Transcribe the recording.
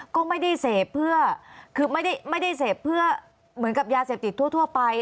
ก็ไม่ได้เสพเพื่อเหมือนกับยาเสพติดทั่วไป